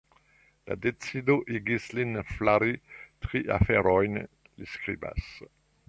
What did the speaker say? La decido igis lin flari tri aferojn, li skribas.